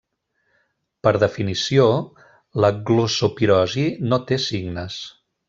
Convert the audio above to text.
Per definició, la glossopirosi no té signes.